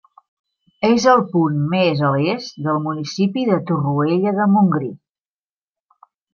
És el punt més a l'est del municipi de Torroella de Montgrí.